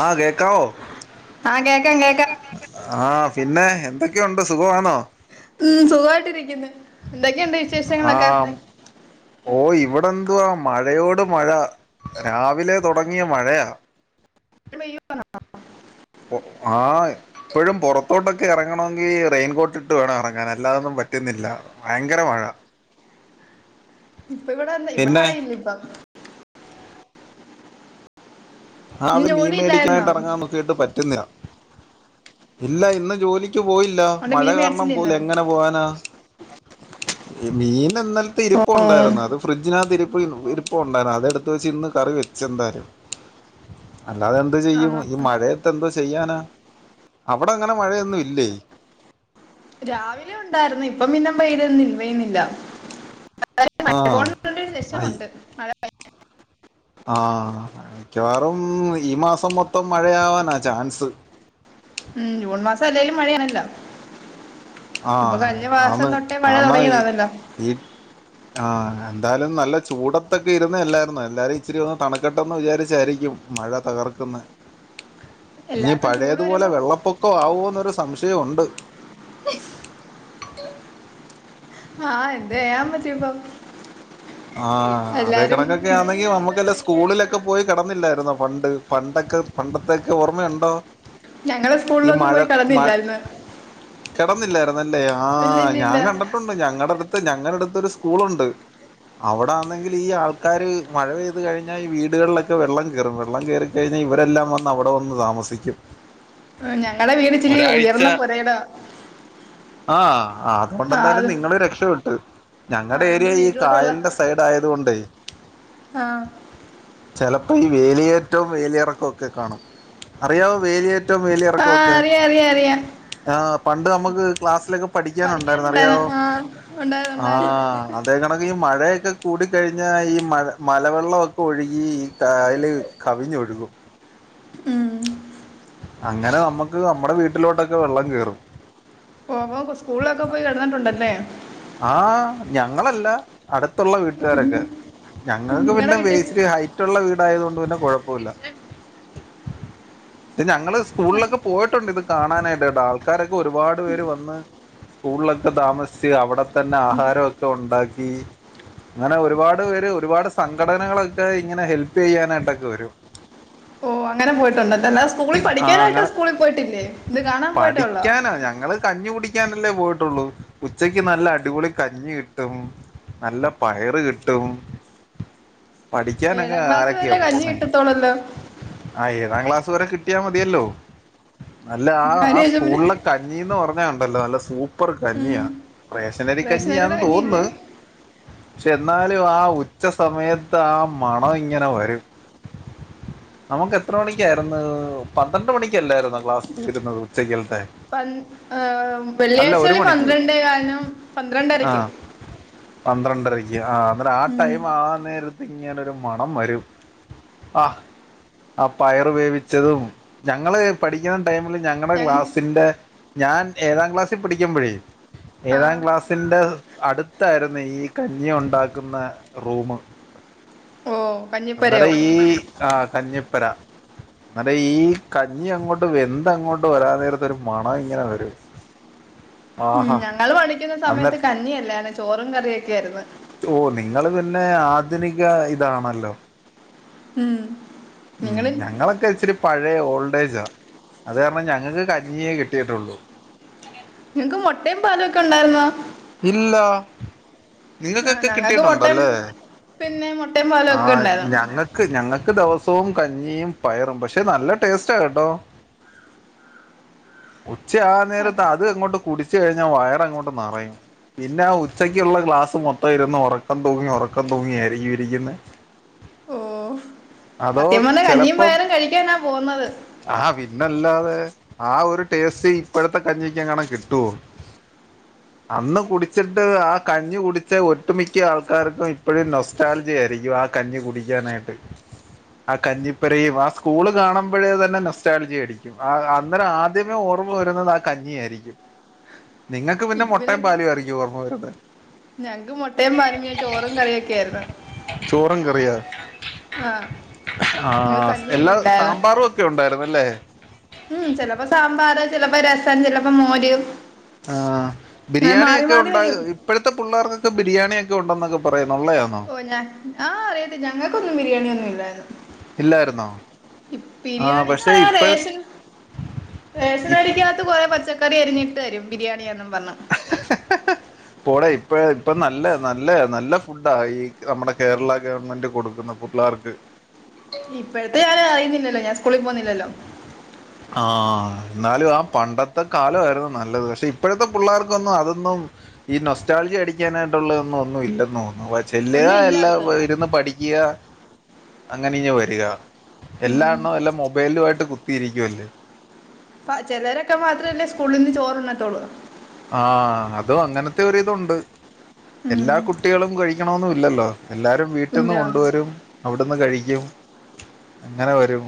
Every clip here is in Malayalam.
ആ കേക്കാവോ ആഹ് കേക്കാം കേക്കാം ആഹ പിന്നെ എന്തൊക്കെയുണ്ട് സുഖമാണോ ഉം സുഖമായിട്ടിരിക്കുന്നു എന്തൊക്കെയുണ്ട് ആ വിശേഷങ്ങളൊക്കെ ഓ ഇവിടെ എന്തുവാ മഴയോട് മഴ രാവിലെ തുടങ്ങിയ മഴയാ എ ആ ഇപ്പോഴും പുൊറത്തോട്ടൊക്കെ ഇറങ്ങണമെങ്കി റെയിൻകോട്ടിട്ട് വേണം ഇറങ്ങാൻ അല്ലാതൊന്നും പറ്റുന്നില്ല ഭയങ്കര മഴ ഇപ്പ ഇവിടെ ഇവിടെ പിന്നെ മഴയില്ല ഇപ്പ [inaudible] ഇന്ന് ആഹ്ത് മീ ജോലി ഇല്ലായിരുന്നോ മേടിക്കാനായിട്ട് ഇറങ്ങാൻ നോക്കിയിട്ട് പറ്റുന്നില്ല ഇല്ല ഇന്ന് ജോലി ക്കീ പോയില്ല അതോണ്ട് മഴ മീൻ കാരണം മേടിച്ചില്ലേ ഇന്ന് പോല എങ്ങനെ പോവാനാ മീൻ ഇന്നലത്തെ ഇരു ഓഹ് പ്പുണ്ടായിരുന്നു അത് ഫ്രഡ്ജിനകത്തിരി ഇ ഇരിപ്പുണ്ടായിരുന്നു അതെടുത്ത് വെച്ച് ഇന്ന് കറി വെച്ചു എന്തായാലും അല്ലാതെ എന്ത് ചെയ്യും ആന്നോ ഈ മഴയത്ത് എന്തോ ചെയ്യാനാ അവിടെ അങ്ങനെ മഴയൊന്നും ഇല്ലേ രാവിലെ ഉണ്ടായിരുന്നു ഇപ്പം പിന്നെ [unintelligible] ന്നില്ല ആഹ് [unintelligible] രസമുണ്ട് മഴ ആഹ മിക്കവാറും ഈ മാസം മൊത്തം മഴയാവാനാ ചാൻസ് ഉം ജൂൺ മാസം അല്ലെങ്കിലും മഴയാണല്ലോ ആ ഇപ്പൊ കഴിഞ്ഞ ആ മാസം തൊട്ടേ മഴ [unintelligible] ഇ തുടങ്ങിയതാണല്ലോ ഇ ആ എന്തായാലും നല്ല ചൂടത്തൊക്കെ ഇരുന്ന് എല്ലായിരുന്നൊ എല്ലാരും ഇച്ചിരി വന്ന് തണുക്കട്ടെന്ന് വിചാരിച്ചായിരിക്കും മഴ തകർക്കുന്നെ ഇനി എല്ലാർക്കും ചൂട് പഴയതുപോലെ വരുമ്പോ വെള്ളപ്പൊക്കം ആകുവോന്നൊരു സംശയ ഒണ്ട് ആഹ് എന്ത് ചെയ്യാൻ പറ്റും ഇപ്പം ആ അതേ എല്ലാരും കണക്കൊക്കെ ആണെങ്കി നമുക്ക് വല്ല സ് സ്കൂളിലൊക്കെ പോയി കെടന്നില്ലായിരുന്നോ പണ്ട് പണ്ടൊക്കെ പണ്ടത്തൊക്കെ ഓർമ്മയുണ്ടോ ഞങ്ങള് സ്കൂളിലൊന്നും പോയി കടന്നില്ലായിരുന്ന് കെടന്നില്ലായിരു ന്നല്ലേ ആ ഞാൻ കണ്ടിട്ടുണ്ട് ഞങ്ങടെ അടുത്ത് ഞങ്ങടെ അടുത്ത് ത്തൊരു സ്കൂളുണ്ട്. അവിടെയാണെങ്കില് ഈ ആൾക്കാര് മഴ പെയ്തു കഴിഞ്ഞ ഈ വീടുകളിലൊക്കെ വെള്ളം കേറും വെള്ളം കേറി കൈഞ്ഞ ഇവരെല്ലാം അവടെ വന്ന് താമസിക്കും. ഓ ഞങ്ങളുടെ വീട് ഇച്ചിരി ഒരാഴ്ച ഉയർന്ന പൊരയിടാ.. ആഹ് ആ അതുകൊണ്ടെന്തായാലും നിങ്ങള് രക്ഷപ്പെട്ട് ആ ഞങ്ങളുടെ അതുകൊണ്ട് ഏരിയ ഈ വീട്ടിലോട്ടുള്ള കായലിന്റെ സ് ആയതുകൊണ്ടേ ആ ചെലപ്പോ ഈ വേലിയേറ്റവും വെലിയേരക്കവും ഒക്കെ കാണും അറിയാവോ വേലിയേ റ്റവും ആ വേലിയേറക്കവുമൊക്കെ അറിയാം അറിയാം അറിയാം ആഹ് പണ്ട് നമുക്ക് ക്ലാസ്സിലൊക്കെ പഠിക്കാനുണ്ടായിരുന്നു അറിയാവോ ഉണ്ടായിരുന്നു ആഹ് ഉണ്ടായിരുന്നു അതായിരുന്നു ഇപ്പ അധികം മഴയ് ക്കെ കൂടി കഴിഞ്ഞ ഈ മഴ മലവെള്ളമൊക്കെ ഒഴുകി ഈ കായല് കവിഞ്ഞൊഴുകും ഉം അങ്ങനെ നമ്മുക്ക് നമ്മുടെ വീട്ടിലോട്ടൊക്കെ വെള്ളം കേയറും ഓ അപ്പൊ സ്കൂളിലൊക്കെ പോയി കെടന്നട്ടുണ്ടല്ലേ ആ ഞങ്ങളല്ല അടു ത്തുള്ള വീട്ടുകാരൊക്കെ ഞങ്ങൾക്ക് നിങ്ങടെ പിന്നെ ബേസ് വീട്ടിൽ ഇച്ചിരി ഹൈറ്റ് ഒള്ള വീടായതുകൊണ്ട് പിന്നെ കൊഴുപ്പൂല ഇത് ഞങ്ങള് സ്കൂളിലൊക്കെ പോയിട്ടുണ്ട് ഇത് കാണാനായിട്ട് താ ആൾക്കാരൊക്കെ ഒരുപാട് പേര് വന്ന് സ്കൂളിലൊക്കെ താമസിച്ചു അവടെ തന്നെ ആഹാരമൊക്കെ ഉണ്ടാക്കി അങ്ങനെ ഒരുപാട് പേര് ഒരുപാട് സംഘടനകളൊക്കെ ഇങ്ങനെ ഹെൽപ് ചെയ്യാനായിട്ടൊക്കെ വരും ഓ അങ്ങനെ പോയിട്ടുണ്ടല്ലേ അല്ലാതെ സ്കൂളിൽ ആഹ് പഠിക്കാനായിട്ട് അങ്ങനെ സ്കൂളിൽ പോയിട്ടില്ലേ ഇത് കാണാൻ പോയിട്ടെ ഒള്ളോ ക്കാനല്ലെ പോയിട്ടുള്ളൂ ഉച്ചക്ക് നല്ല അടിപൊളി കഞ്ഞി കിട്ടും നല്ല പയറ് കിട്ടും പഠിക്കാനക്കെ ഏഴാം ക്ലാസ് ആരക്കെയാ വരെ കഞ്ഞി പോകുന്നേ കിട്ടത്തോളല്ലോ ആ ഏഴാം ക്ലാസ്സ് അതുവരെ കിട്ടിയാ മതിയല്ലോ അല്ല ആ ആ അതിന് ശേഷം പിന്നെ സ്കൂളിലെ കഞ്ഞിന്ന് പറ ണ്ടല്ലോ നല്ല സൂപ്പ പ്പർ കഞ്ഞിയ ഉം വെ റേഷനരി റേഷൻ കഞ്ഞി ആന്ന് അരിയുടെ തോന്നുന്നു കഞ്ഞിയില്ലേ എന്നാലും ആ ഉച്ച സമയത്ത് ആ മണം ഇങ്ങനെ വരും നമുക്ക് എത്ര മണിക്കായിരുന്നു പന്ത്രണ്ട് മണിക്കല്ലായിരുന്നോ ക്ലാസ് തീരുന്നത് ഉച്ചക്ക് പ ഏ ഒരു വെള്ളിയാഴ്ചകളില് മണിക്ക് പന്ത്രണ്ടേ കാലിനും പന്ത്രണ്ടരക്കും പന്ത്രണ്ടരക്ക് ആ അ ആ ടൈം ആന്ന ഇങ്ങനോരു മണം വരും ആ ആ പയറ് വേവിച്ചതും ഞങ്ങള് പഠിക്കുന്ന ടൈമില് ഞങ്ങളുടെ ഞങ്ങ ക്ലാസ്സിന്റെ ഞാൻ ഏഴാം ക്ലാസ്സിൽ പഠിക്കുമ്പോഴേ ഏഴാം ആഹ് ക്ലാസ് ക്ലാസ്സിന്റെ അടുത്തായിരുന്നു ഈ കഞ്ഞി ഉണ്ടാക്കുന്ന റൂം ഓഹ് കഞ്ഞിപ്പരയോ അന്നേരം ഈ ആ കഞ്ഞി പര അന്നേരാ ഈ കഞ്ഞി അങ്ങോട്ട് വെന്ത അങ്ങോട്ട് വരാ നേരത്ത ഒരു മണ ഇങ്ങനെ വരും ഉം ആഹാ ഞങ്ങൾ പഠിക്കുന്ന സമയത്ത് അന്നേരം കന്ഞ്ഞിയല്ലാർന്ന് ചോറും കറിയൊക്കെ ആയിരുന്നു ഓ നിങ്ങൾ പിന്നെ ആധുനിക ഇതാണല്ലോ ഉം ഉം നിങ്ങള് ഞങ്ങളൊക്കെ ഇച്ചിരി പഴയ ഓൾഡ് ഏജാ അത് കാരണം ഞങ്ങൾക്ക് കഞ്ഞിയേ കിട്ടിയിട്ടുള്ളൂ നിങ്ങക്ക് മുട്ടയും പാലൊക്കെ ഉണ്ടായിരുന്നോ ഇല്ല ആഹ് നിങ്ങൾക്കൊക്കെ ഞങ്ങൾക്ക് മുട്ടയും കിട്ടിട്ടുണ്ടല്ലേ പിന്നെ മുട്ടയും പാലും ആ ഒക്കെ ഉണ്ടായിരുന്നു ഞങ്ങൾക്ക് ഞങ്ങക്ക് ക ദിവസവും കഞ്ഞിയും പയറും പക്ഷെ നല്ല ടേസ്റ്റ് കേട്ടോ ഉച്ച ആ നേരത്ത് അത് അങ്ങോട്ട് കുടിച്ച് കഴിഞ്ഞാൽ വയർ അങ്ങോട്ട് നിറയും പിന്നെ ആ ഉച്ചക്കുള്ള ക്ലാസ്സ്‌ മൊത്തം ഇരുന്ന് ഒറക്കം തൂങ്ങി ഒറക്കം തൂങ്ങിയയിരിക്കും ഇരിക്കുന്നേ ഓ സത്യം പറഞ്ഞെ കഞ്ഞിയും പയറും കഴിക്കാനാ പോകുന്നത് ആഹ് പിന്നല്ലാതെ ആ ഒരു ടേസ്റ്റ് ഇപ്പോഴത്തെ കഞ്ഞിക്കെങ്ങാണും കിട്ടോ അന്ന് കുടിച്ച്ട്ട് ആ കഞ്ഞി കുടിച്ച ഒട്ടുമിക്ക ആൾക്കാർക്കും ഇപ്പഴും നൊസ്റ്റാൾജിയ ആയിരിക്കും ആ കഞ്ഞി കുടിക്കാനായ്ട്ട് ആ കഞ്ഞിപ്പെരയും ആ സ്കൂള് കാണുമ്പഴേ തന്നെ നൊസ്റ്റാൾജിയടിക്കും ആ അന്നേരം ആദ്യമേ ഓർമ്മ വര്ന്നത് ആ കഞ്ഞി ആയിരിക്കും നിങ്ങക്ക് പിന്നെ [unintelligible] ഓർമ്മ വരുന്നെ ഞങ്ങക്ക് മോട്ടയും പാലും പിന്നെ ചോറും കറിയൊക്കെ ആയിര്ന്ന് [unintelligible] ആ ഇങ്ങക്ക് എല്ലാ കഞ്ഞിയൊന്നും ഇല്ലായിരുന്നു സാമ്പാറും ഒക്കെ ഉണ്ടായിര്ന്നോ ല്ലേ ചിലപ്പം രസം ചിലപ്പം മോര് ആ അങ്ങനെ മാറി ബിരിയാണിയൊക്കെ മാറി വരും ഉണ്ടാവോ ഇപ്പോഴത്തെ പിള്ളേർക്കൊക്കെ ബിരിയാണിയൊക്കെ ഉണ്ടെന്നൊക്കെ പറയുന്നു ഉള്ളയാണോ? ഓ ഞാൻ ആ അറിയത്തില്ല ഞങ്ങക്കൊന്നും ബിരിയാണി ഒന്നും ഇല്ലായിര് ഇല്ലായിര്ന്നോ? ബിരിയാണിന്ന് പറയാ റേഷൻ റേഷന ഇപ്പ അരിക്കകത്ത് കൊറെ പച്ചക് കറി അരിഞ്ഞിട്ട് തരും ബിരിയാണീന്ന് പറഞ് പോടെ ഇപ്പഴാ ഇപ്പം നല്ല നല്ല നല്ല ഫുഡാ ഈ നമ്മുടെ കേരള ഗവൺമെന്റ് കൊടുക്കുന്ന പുള്ളാർക്ക് ഇപ്പോഴത്തെ [unintelligible] ഇല്ലല്ലോ ഞാൻ സ്കൂളിൽ പോവുന്നില്ലല്ലോ. ആ ഇന്നാലും ആ പണ്ടത്തെ കാലവായിരുന്നു നല്ലത് പക്ഷെ ഇപ്പഴത്തെ പുള്ളാർക്കൊന്നും അതൊന്നും ഈ നൊസ്റ്റാൾജി അടിക്കാനായിട്ടുള്ളതൊന്നും ഒന്നും ഇല്ലെന്ന് തോന്നുന്നു ചെല്ല ഒന്നും ഇല്ല അവർക്ക് എല്ലാം ഇരുന്ന് പഠിക്ക്യ അങ്ങനെ ഇങ്ങ് വരിക എല്ലാണ്ണോം എല്ലാം മൊബൈലുവായിട്ട് കുത്തിയിരി ക്കുവല്ലേ. പ്പ ചെലരൊക്കെ മാത്രവല്ലേ സ്കൂളിന്ന് ചോറുണ്ണത്തോളൂ. ആ അതും അങ്ങനത്തെ ഒരിതുണ്ട് എല്ലാ ഉം കുട്ടികളും കഴിക്കണൊന്നും ഇല്ലല്ലോ എല്ലാരും വീട്ടിന്ന് ഇല്ല കൊണ്ടുവരും അവിടുന്ന് കഴി ക്കും അങ്ങനെ വരും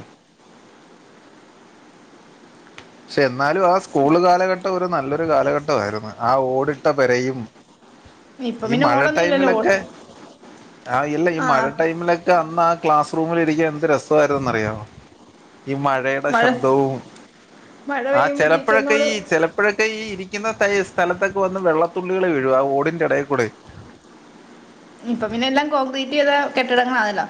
ഛെ എന്നാലും ആ സ്കൂള് കാലഘട്ടം ഒരു നല്ലൊരു കാലഘട്ടവായിരുന്നു ആ ഓടിട്ട പെരയും, ഇപ്പൊ ഈ പിന്നെ മഴ ഓടൊന്നും ഇല്ലല്ലോ ഓ ടൈമിലൊക്കെ ആ ഇല്ല ഈ ആ മഴ ടൈമിലൊക്കെ അന്ന് ആ ക്ലാസ് റൂമിലിരിക്കാൻഎന്ത് രസവായിരുന്നെന്ന് അറിയാവോ. ഈ മഴയുടെ മഴ ശബ്ദവും മഴ ആ പെയ്യുമ്പോ ചെലപ്പഴൊക്കെ ഈ ടീച്ചറിനോട് ചെലപ്പഴ ഴക്കെ ഈ ഇരിക്കുന്ന ത സ്ഥലത്തൊക്കെ വന്ന് വെള്ളത്തുള്ളികള് വീഴും. ആ ഓടിന്റെ എടയേക്കൂടെയ് ഇപ്പൊ പിന്നെ എല്ലാം കോൺക്രീറ്റീത കെട്ടിടങ്ങളാണല്ലോ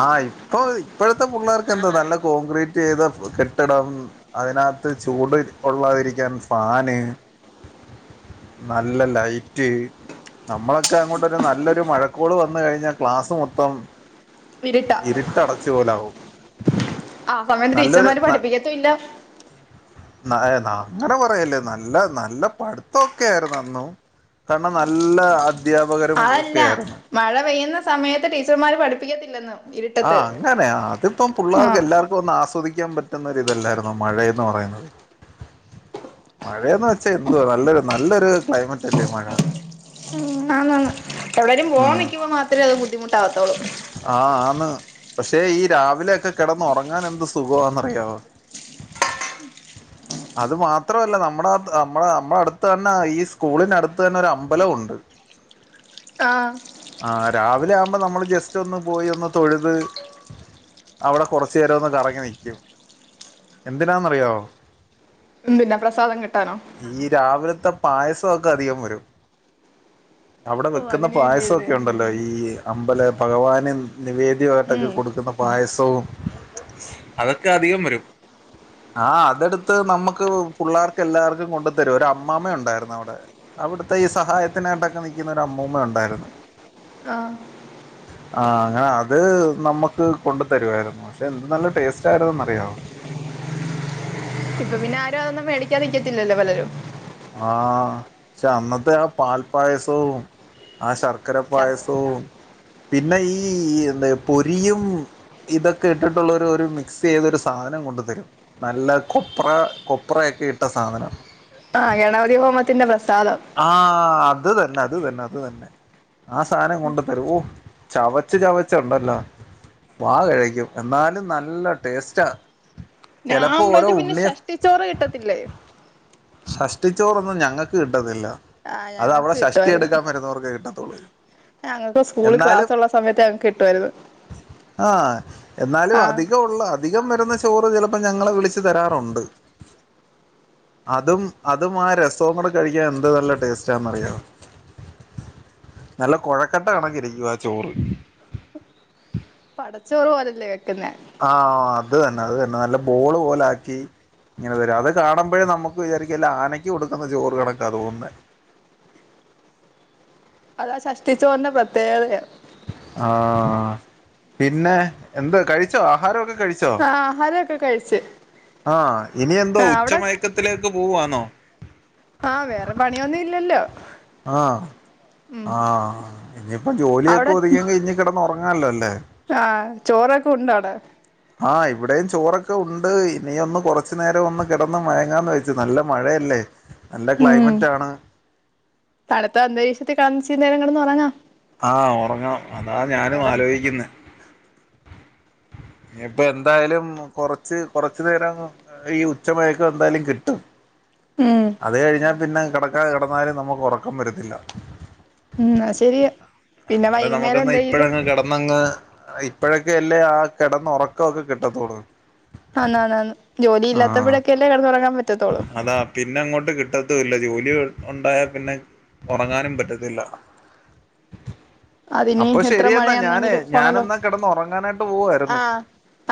ആ ഇപ്പൊ ഇപ്പഴത്തെ പുള്ളാർക്ക് എന്താ നല്ല കോൺക്രീറ്റ് ചെയ്ത ഫ് കെട്ടിടം അതിനകത്ത് ചൂട് കൊള്ളാതിരിക്കാൻ ഫാന് നല്ല ലൈറ്റ് നമ്മളൊക്കെ അങ്ങോട്ടൊരു നല്ലൊരു മഴക്കോള് വന്ന് കഴിഞ്ഞാ ക്ലാസ് മൊത്തം ഇരുട്ടാ ഇരുട്ടടച്ചു പോലെ ആവും. ആ [unintelligible] ടീച്ചർമാര് പഠിപ്പിക്കത്തും ഇല്ല. ന ന അങ്ങനെ പറയല്ലേ നല്ല നല്ല പട്ത്തൊക്കെ ആയിരുന്നു അന്നും കാരണം നല്ല അ അഅല്ല മഴ പെയ്യുന്ന സമയത്ത് ടീച്ചർമാര് പഠിപ്പിക്കത്തില്ലെന്ന് ആ ഇരുട്ടത്ത് അങ്ങനെ അതിപ്പം ആ പുള്ളാർക്ക് എല്ലർക്കും ഒന്ന് ആസ്വദി ക്കാൻ പറ്റുന്ന ഒര് ഇതല്ലായിര്ന്നോ മഴയെന്ന് പറയുന്നത് മഴയെന്ന് വെച്ചാ എന്തോ നല്ലൊരു നല്ലൊരു ക്ലൈമറ്റ് അല്ലേ മഴ എവിടെലും പോവാൻ ഉം നിക്കിമ്പോ മാത്രേ അത് ബുദ്ധി ദ്ധിമ്മുട്ടാകത്തൊള്ളു. ആ ആന്ന് പക്ഷെ ഈ രാവിലെയൊക്കെ കെടന്ന് ഒറങ്ങാൻ എന്ത് സുഖവാന്ന് അറിയാവോ അത് മാത്ര അല്ല നമ്മുടെ അയ്ത്ത് നമ്മടെ നമ്മുടെ അടുത്ത് തന്നെ ഈ സ്കൂളിന്റെ അടുത്ത് തന്നെ ഒരു അമ്പലം ഉണ്ട്. ആ... ആ രാവിലെ ആവുമ്പൊ നമ്മള് ജസ്റ്റ് ഒന്ന് പോയി തൊഴുത് അവടെ കൊറച്ച് നേരവൊന്ന് കറങ്ങി നിക്ക്യും. എന്തിനാന്നറിയാവോ ഒന്നുല്ല പ്രസാദം കിട്ടാനോ ത്ത പായസൊക്കെ അധികം വരും അവിടെ ഓ വെക്കുന്ന അതിന് പായസം വേണ്ടിയല്ലേ ഒക്കെ ഉണ്ടല്ലോ ഈ അമ്പല ഭഗവാന് നിവേദ്യമായിട്ടൊക്കെ ഉം കൊടുക്കുന്ന പായസം. സവും അതൊക്കെ അധികം വരും ആ അതെടുത്ത് നമുക്ക് പുള്ളേർക്ക് എല്ലാവർക്കും കൊണ്ട തരും. ഒരു അമ്മാമ ഉണ്ടായിരുന്നു അവിടെ അവിടുത്തെ ഈ സഹായത്തിനായിട്ടൊക്കെ നി ക്കുന്ന അമ്മൂമ്മ ഉണ്ടായിരുന്നു. ആ ആ അങ്ങനെ അത് നമ്മക്ക് കൊണ്ടു തരുവായിരുന്നു പക്ഷെ എന്ത് നല്ല ടേസ്റ്റ് ആയിരുന്നെന്നറിയവോ? പ്പൊപിന്നെ ആരും അതോന്നും മേടിക്കാൻ നിൽക്കത്തില്ലല്ലോ പലരും. ആഹ് ക്ഷെ അന്നത്തെ ആ പാൽപ്പായസവും ആ ശർ ക്കരപ്പായസവും പിന്നെ ഈ എന്താ പൊരിയും ഇതൊക്കെ ഇട്ടിട്ടുള്ളഒരു ഒര് മിക്സ് ചെയ്തൊരു സാധനം കൊണ്ട് തരും നല്ല കൊപ്ര കൊപ്രയൊക്കെ ഇട്ട സാധനം. ആഹ് ഗണപതി ഹോമത്തിന്റെ പ്രസാദം. ആഹ് അത് തന്നെ അത് തന്നെ അത് തന്നെ ആ സാധനം കൊണ്ടു തരു ഓ ചവച്ച് ചവച്ച് ഉണ്ടല്ലോ വാ കഴിക്കും എന്നാലും നല്ല ടേസ്റ്റാ. ആ ചിലപ്പോ ഓരോ അമ്പലത്തി പ്പിന്നെ ഉണ്ണിയ ഷഷ്ടിച്ചോറ് കിട്ടത്തില്ലേ? സഷ്ടിച്ചോറൊന്നും ഞങ്ങൾക്ക് കി ട്ടത്തില്ല. ആഹ് അത് ഞങ്ങൾക്ക് അവിടെ ഷഷ്ടി കിട്ടുവായിരുന്നു എടുക്കാൻ വരുന്നവർക്കേ കിട്ടത്തോള്. ഞങ്ങൾക്ക് സ്കൂളിൽ എന്നാലും ക്ലാസ്സുള്ള സമയത്ത് ഞങ്ങൾക്ക് കിട്ടുവായിരുന്നു ആഹ് എന്നാലും ആഹ് അധികം ഉള്ള അധികം വരുന്ന ചോറ് ചിലപ്പോ ഞങ്ങളെ വിളിച്ചു തരാറുണ്ട്. അതും അതും ആ രസം കൂടെ കഴിക്കാൻ എന്ത് നല്ല ടേസ്റ്റാന്നറിയാവോ? നല്ല കുഴക്കെട്ട കണക്കിരിക്കും ആ ചോറ് പടച്ചോറ് പോലല്ലേ വെക്കുന്നെ? ആഹ് അത് തന്നെ അത് തന്നെ നല്ല ബോള് പോലാക്കി ഇങ്ങനെ തരും അത് കാണുമ്പോഴേ നമുക്ക് വിചാരിക്കല്ല ആനക്ക് കൊടുക്കുന്ന ചോറ് കണക്കാ തോന്നുന്നേ അതാ സഷ്ടിച്ചോറിന്റ പ്രത്യേകതയാ ആഹ് പിന്നെ എന്ത് കഴിച്ചോ ആഹാരൊക്കെ കഴിച്ചോ ആഹ് ആഹാരമൊക്കെ കഴിച്ച് ആഹ് ഇനി എന്തോ ആഹ് അവിടെ ഉച്ചമയക്കത്തിലേക്ക് പോവ്വാന്നോ ആഹ് വേറെ പണിയൊന്നും ഇല്ലല്ലോ ആഹ് ആഹ് ഇനിയിപ്പ ജോലിയൊക്കെ അവിടെ ഒതുങ്ങിയെങ്കി ഇനി കിടന്ന് ആണല്ലോ അല്ലേ ആഹ് ചോറൊക്കെ ഉണ്ടാടാ ആ ഇവിടെയും ചോറൊക്കെ ഉണ്ട് ഇനി ഒന്ന് കുറച്ചു നേരം ഒന്ന് കിടന്ന് മയങ്ങാന്ന് വെച്ചു നല്ല മഴയല്ലേ നല്ല ക്ലൈമറ്റാണ് തണത്ത അന്തരീക്ഷത്തിൽ കണ [unintelligible] നേരം കിന്നന്ന് ഉറങ്ങാ ആഹ് ഉറങ്ങണം അതാ ഞാനും ആലോചിക്കുന്നെ ഇനിയിപ്പ എന്തായാലും കൊറച്ച് കൊറച്ചു നേരം ഈ ഉച്ചമഴക്ക എന്തായാലും കിട്ടും ഉം അത് കഴിഞ്ഞാ പിന്നെ കെടക്കാതെ കെടന്നാലും നമുക്ക് ഒറക്കം വരത്തില്ല ഉം അയ് ശരിയാ പിന്നെ അന്നേരം വൈകുന്നേരം നമുക്കന്ന് എന്തെയ്യും ഇപ്പഴങ്ങ് കെടന്നങ്ങ് ഇപ്പഴൊക്കെ അല്ലേ ആ കെടന്ന് ഒറക്ക ഒക്കെ കിട്ടത്തോള്ളു ആന്നാന്നാന്ന് ജോലി ഇല്ലാത്തപ്പയൊക്കെ അല്ലേ കെടന്നുറങ്ങാൻ പറ്റത്തോളൂ ട്ട് കിട്ടത്തു ഇല്ല ജോലിയു ഒണ്ടായാൽ പിന്നെ ഒറങ്ങാനും പറ്റത്തില്ല അതിനി അപ്പൊ എത്ര ശരിയെന്നാ ഞാനേ മഴയാന്നെങ്കിലും പോണല്ലോ ഞാനെന്നാ കിടന്ന് ഒറങ്ങാനായിട്ട് ആ പോവായിരുന്നു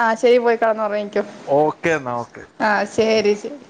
ആ ശരി പോയി കെടന്ന് ഒറങ്ങിക്കോ ഓക്കെ എന്നാ ഓക്കെ ആ ശരി ശരി